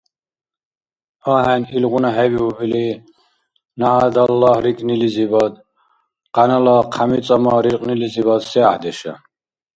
АхӀен, илгъуна хӀебиуб или, нагӀядаллагь рикӀнилизибад, къянала хъями-цӀама риркьнилизибад се гӀяхӀдеша?